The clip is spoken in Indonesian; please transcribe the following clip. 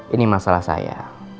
ini masalah saya